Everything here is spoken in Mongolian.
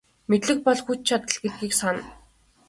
Мэдлэг бол хүч чадал гэдгийг сана.